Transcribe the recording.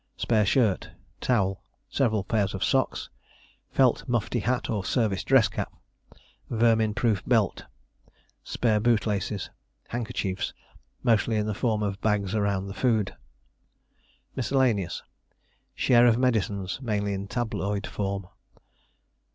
Spare shirt. Towel. Several pairs of socks. Felt mufti hat or service dress cap. Vermin proof belt. Spare bootlaces. Handkerchiefs (mostly in the form of bags round the food). Miscellaneous Share of medicines, mainly in tabloid form.